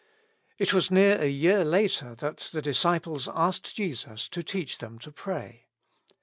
It was near a year later that the disciples asked Jesus to teach them to pray.